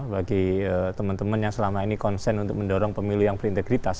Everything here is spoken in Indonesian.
bagi teman teman yang selama ini konsen untuk mendorong pemilu yang berintegritas